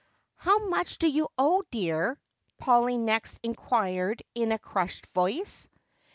"How much do you owe, dear?" Polly next inquired in a crushed voice.